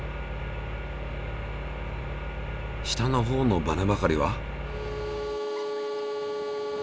下のほうのバネばかりは？